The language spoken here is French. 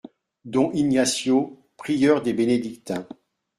don Ignacio, prieur des bénédictins.